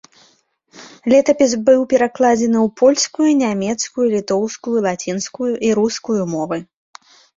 Летапіс быў перакладзены ў польскую, нямецкую, літоўскую, лацінскую і рускую мовы.